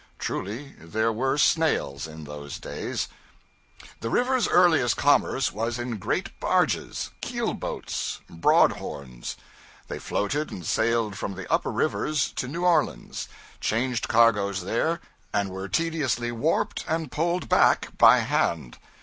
Truly, there were snails in those days. The river's earliest commerce was in great barges keelboats, broadhorns. They floated and sailed from the upper rivers to New Orleans, changed cargoes there, and were tediously warped and poled back by hand.